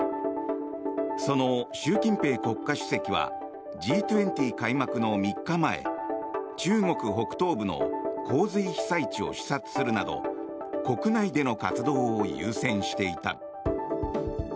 その習近平国家主席はＧ２０開幕の３日前中国北東部の洪水被災地を視察するなど国内での活動を優先していた。